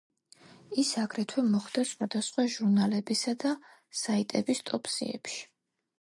ის, აგრეთვე მოხდა სხვადასხვა ჟურნალებისა და საიტების ტოპ სიებში.